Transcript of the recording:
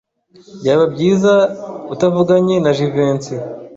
Byaba byiza utavuganye na Jivency.